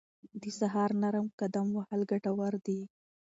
د سهار نرم قدم وهل ګټور دي.